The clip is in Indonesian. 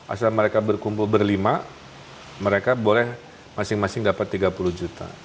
asal mereka berkumpul berlima mereka boleh masing masing dapat tiga puluh juta